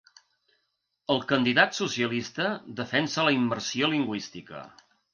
El candidat socialista defensa la immersió lingüística.